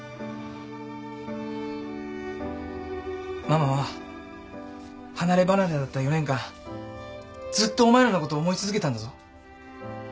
ママは離れ離れだった４年間ずっとお前らのこと思い続けたんだぞ。